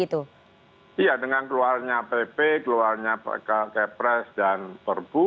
iya dengan keluarnya pp keluarannya kepres dan perbu